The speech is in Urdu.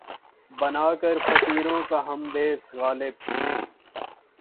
بنا کر فقیروں کا ہم بھیس، غالبؔ!